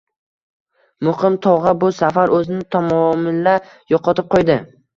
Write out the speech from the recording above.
Muqim tog`a bu safar o`zini tamomila yo`qotib qo`ydi